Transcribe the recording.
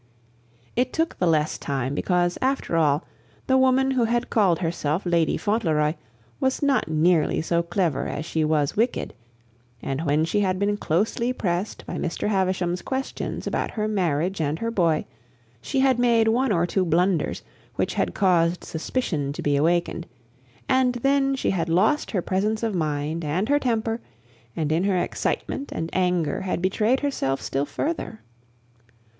It took the less time because, after all, the woman who had called herself Lady Fauntleroy was not nearly so clever as she was wicked; and when she had been closely pressed by Mr. Havisham's questions about her marriage and her boy, she had made one or two blunders which had caused suspicion to be awakened; and then she had lost her presence of mind and her temper, and in her excitement and anger had betrayed herself still further.